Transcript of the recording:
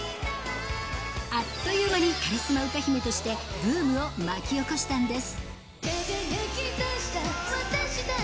あっという間にカリスマ歌姫として、ブームを巻き起こしたんです。